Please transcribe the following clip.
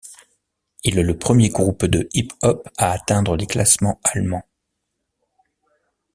Il est le premier groupe de hip-hop à atteindre les classements allemands.